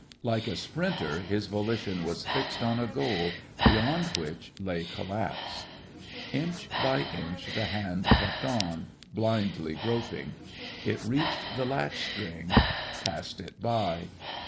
Like a sprinter his volition was fixed on a goal, beyond which lay collapse. Inch by inch the hand kept on, blindly groping. It reached the latch string; passed it by.